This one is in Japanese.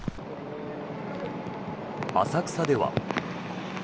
浅草では。